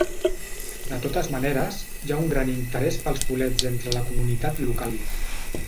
De totes maneres, hi ha un gran interès pels bolets entre la comunitat local.